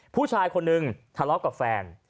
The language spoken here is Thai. ผู้ชายคนนึงทะเลาะกับแฟน